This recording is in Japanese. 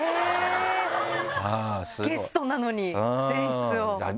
ゲストなのに前室を！